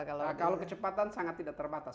kalau kecepatan sangat tidak terbatas